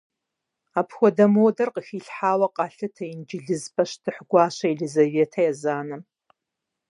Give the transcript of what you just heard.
Апхуэдэ модэр къыхилъхьауэ къалъытэ инджылыз пащтыхь гуащэ Елизаветэ Езанэм.